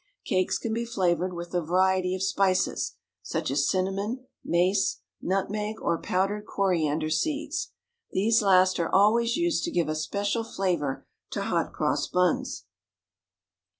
Cakes can be flavoured with a variety of spices, such as cinnamon, mace, nutmeg, or powdered coriander seeds. These last are always used to give a special flavour to hot cross buns.